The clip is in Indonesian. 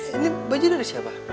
ini baju dari siapa